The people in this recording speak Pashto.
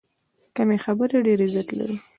کمې خبرې، ډېر عزت لري.